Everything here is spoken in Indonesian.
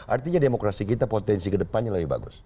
artinya demokrasi kita potensi kedepannya lebih bagus